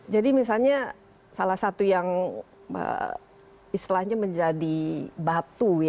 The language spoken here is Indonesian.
jadi misalnya salah satu yang istilahnya menjadi batu